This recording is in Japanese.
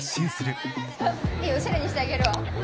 いいよおしゃれにしてあげるわ。